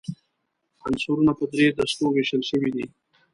عنصرونه په درې دستو ویشل شوي دي.